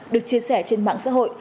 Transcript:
được chia sẻ trên mạng xã hội